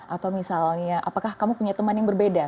atau misalnya apakah kamu punya teman yang berbeda